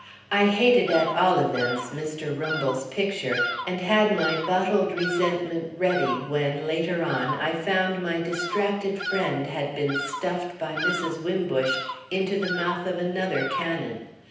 I hated at all events Mr. Rumble's picture, and had my bottled resentment ready when, later on, I found my distracted friend had been stuffed by Mrs. Wimbush into the mouth of another cannon.